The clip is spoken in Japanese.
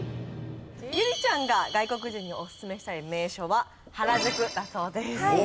悠理ちゃんが外国人におすすめしたい名所は原宿だそうです。